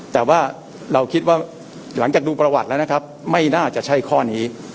แต่ว่าเราคิดว่าหลังจากดูประวัติแล้วนะครับไม่น่าจะใช่ข้อนี้